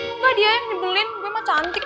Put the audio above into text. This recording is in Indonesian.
enggak dia yang nyibelin gue emang cantik